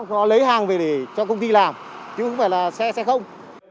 nó lấy hàng về để cho công ty làm chứ không phải là xe xe không